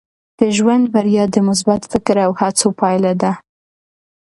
د ژوند بریا د مثبت فکر او هڅو پایله ده.